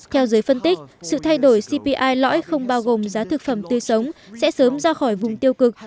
theo giới phân tích sự thay đổi cpi lõi không bao gồm giá thực phẩm tươi sống sẽ sớm ra khỏi vùng tiêu cực